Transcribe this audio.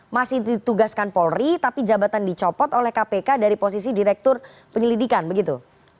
masih ditugaskan polri tapi jabatan dicopot oleh kpk dari posisi direktur penyelidikan begitu